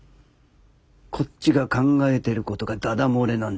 こっちが考えてることがダダ漏れなんて。